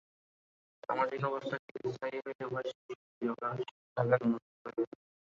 সামাজিক অবস্থা চিরস্থায়ী হইলে উহা শিশুর চিরকাল শিশু থাকার অনুরূপ হইবে।